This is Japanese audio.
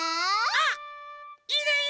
あっいいねいいね！